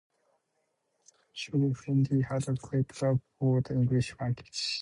Shoghi Effendi had a great love for the English language.